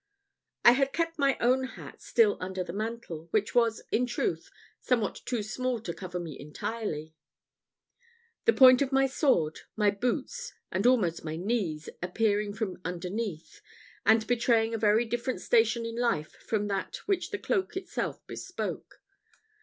I had kept my own hat still under the mantle, which was, in truth, somewhat too small to cover me entirely; the point of my sword, my boots, and almost my knees, appearing from underneath, and betraying a very different station in life from that which the cloak itself bespoke.